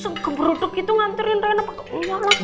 segembur duduk gitu nganturin rena ke rumah